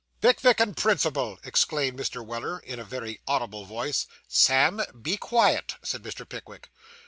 'Pickvick and principle!' exclaimed Mr. Weller, in a very audible voice. 'Sam, be quiet,' said Mr. Pickwick.